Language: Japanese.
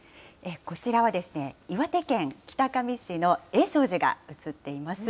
こちらは、岩手県北上市の永昌寺が映っています。